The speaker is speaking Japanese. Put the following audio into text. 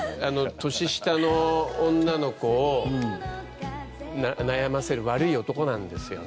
年下の女の子を悩ませる悪い男なんですよね。